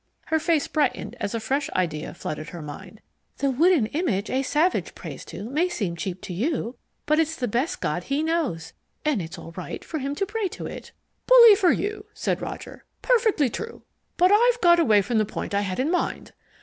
Her face brightened as a fresh idea flooded her mind: "The wooden image a savage prays to may seem cheap to you, but it's the best god he knows, and it's all right for him to pray to it." "Bully for you," said Roger. "Perfectly true. But I've got away from the point I had in mind.